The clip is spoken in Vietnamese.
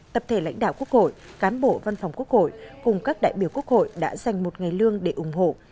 tập thể lãnh đạo quốc hội cán bộ văn phòng quốc hội cùng các đại biểu quốc hội đã dành một ngày lương để ủng hộ